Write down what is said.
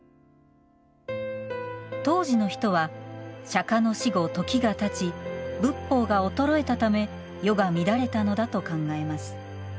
当時の人は、釈迦の死後時がたち、仏法が衰えたため世が乱れたのだと考えます。